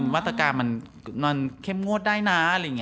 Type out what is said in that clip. วัตกาลมันนอนเข้มงวดได้นะ